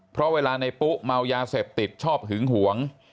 เพราะเวลาในปุ๊เมายาเสพติดชอบหึงหวง